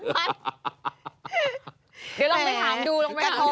เดี๋ยวเราไปถามดูเราไปถามดู